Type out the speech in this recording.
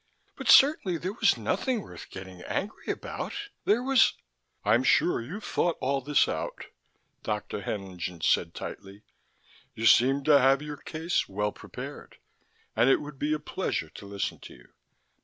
But certainly there was nothing worth getting angry about. There was " "I'm sure you've thought all this out," Dr. Haenlingen said tightly. "You seem to have your case well prepared, and it would be a pleasure to listen to you."